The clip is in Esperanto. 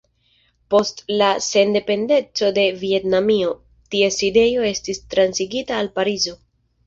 Post la sendependeco de Vjetnamio, ties sidejo estis transigita al Parizo.